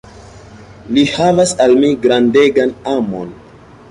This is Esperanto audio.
Li havas al mi grandegan amon.